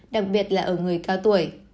đặc biệt là ở người cao tuổi